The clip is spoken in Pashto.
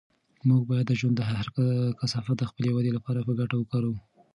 موږ باید د ژوند هر کثافت د خپلې ودې لپاره په ګټه وکاروو.